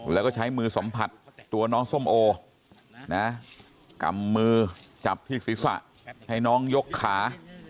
แล้วก็ใช้มือสัมผัสตัวน้องส้มโอนะกำมือจับที่ศีรษะให้น้องยกขา